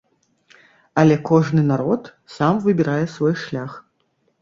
Але кожны народ сам выбірае свой шлях.